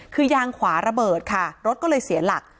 คือยางขวาระเบิดค่ะรถก็เลยเสียหลัก